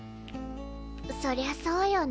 そりゃあそうよね。